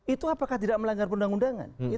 itu apakah tidak melanggar perundang undangan